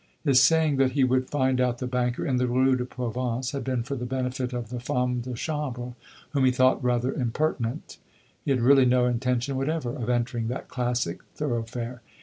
His saying that he would find out the banker in the Rue de Provence had been for the benefit of the femme de chambre, whom he thought rather impertinent; he had really no intention whatever of entering that classic thoroughfare.